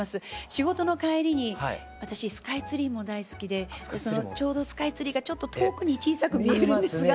仕事の帰りに私スカイツリーも大好きでそのちょうどスカイツリーがちょっと遠くに小さく見えるんですが。